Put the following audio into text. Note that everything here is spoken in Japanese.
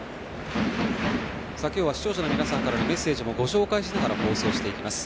今日は視聴者の皆さんからのメッセージもご紹介しながら放送していきます。